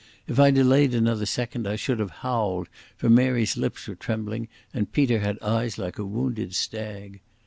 If I delayed another second I should have howled, for Mary's lips were trembling and Peter had eyes like a wounded stag.